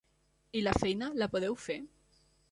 I la feina, la podeu fer?